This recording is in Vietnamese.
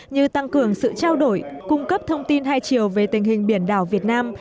như tăng cường sự trao đổi cung cấp thông tin hai chiều về tình hình biển đảo việt nam